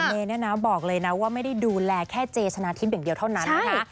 เมย์เนี่ยนะบอกเลยนะว่าไม่ได้ดูแลแค่เจชนะทิพย์อย่างเดียวเท่านั้นนะคะ